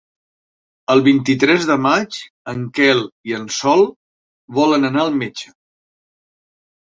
El vint-i-tres de maig en Quel i en Sol volen anar al metge.